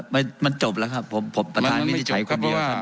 อ๋อไม่มันจบแล้วครับผมผมประทรวงไม่ได้ใช้คนเดียวครับ